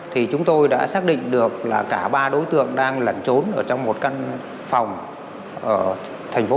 thì chúng tôi đã xác định được là cả ba đối tượng đang lẩn trốn ở trong một căn phòng ở thành phố